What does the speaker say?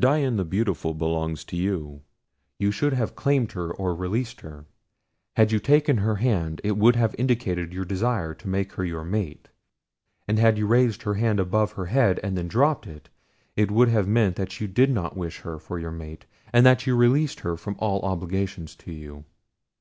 Dian the Beautiful belongs to you. You should have claimed her or released her. Had you taken her hand, it would have indicated your desire to make her your mate, and had you raised her hand above her head and then dropped it, it would have meant that you did not wish her for a mate and that you released her from all obligation to you.